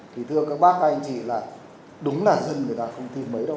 thì thưa các bác các anh chị là đúng là dân người ta không tin mấy đâu